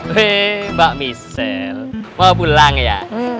weh mbak michelle mau pulang ya